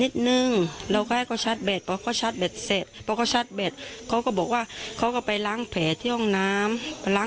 ได้ประมาณครึ่งชั่วโมงเท่านั้น